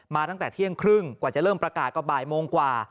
ตั้งแต่เที่ยงครึ่งกว่าจะเริ่มประกาศก็บ่ายโมงกว่า